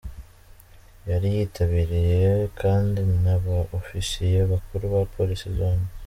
Yari yitabiriwe kandi na ba Ofisiye bakuru ba Polisi zombi.